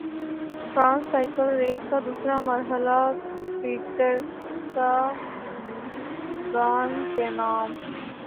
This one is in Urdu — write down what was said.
فرانسسائیکل ریس کا دوسرا مرحلہ پیٹرساگان کے نام